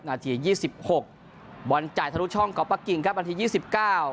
นัดที่ยี่สิบหกบวนจ่ายธนุช่องของปะกิงครับนัดที่ยี่สิบเก้า